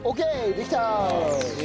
できた！